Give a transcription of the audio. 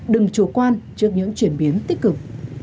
đừng chụp quan trước những chuyển biến tích cực